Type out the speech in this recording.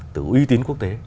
từ uy tín quốc tế